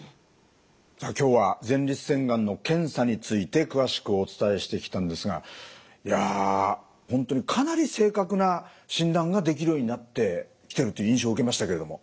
さあ今日は前立腺がんの検査について詳しくお伝えしてきたんですがいや本当にかなり正確な診断ができるようになってきてるっていう印象受けましたけれども。